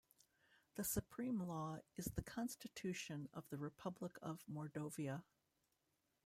The supreme law is the Constitution of the Republic of Mordovia.